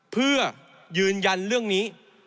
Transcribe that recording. เพื่อยืนยันเรื่องนี้